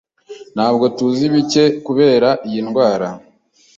Ntabwo tuzi bike kubitera iyi ndwara.